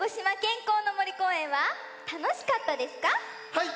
はい！